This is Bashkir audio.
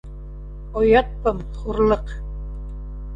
Оят пым, хурлыҡ